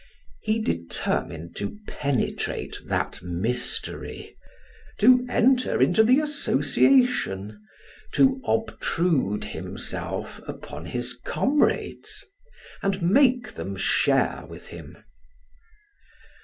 He determined to penetrate that mystery, to enter into the association, to obtrude himself upon his comrades, and make them share with him.